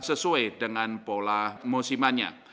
sesuai dengan pola musimannya